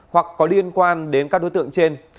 hoặc có liên quan đến các đối tượng trên